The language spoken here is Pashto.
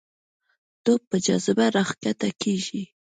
توپ په جاذبه راښکته کېږي.